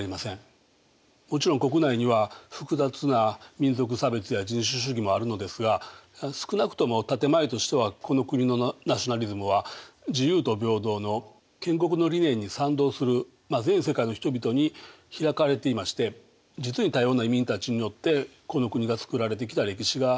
もちろん国内には複雑な民族差別や人種主義もあるのですが少なくとも建て前としてはこの国のナショナリズムは自由と平等の建国の理念に賛同する全世界の人々に開かれていまして実に多様な移民たちによってこの国がつくられてきた歴史があるのです。